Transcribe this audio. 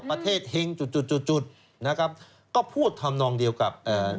เฮงจุดจุดจุดจุดนะครับก็พูดทำนองเดียวกับเอ่อ